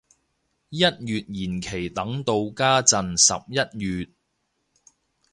一月延期等到家陣十一月